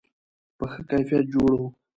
په ښه کیفیت جوړ و.